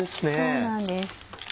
そうなんです。